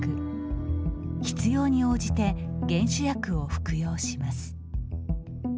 必要に応じて減酒薬を服用します。